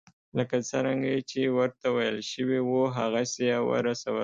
لکه څرنګه چې ورته ویل شوي وو هغسې یې ورسول.